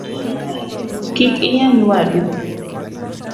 Kik iyany wadu